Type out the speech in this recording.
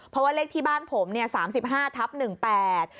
เพราะว่าเลขที่บ้านผมเนี่ยสามสิบห้าทับหนึ่งแปด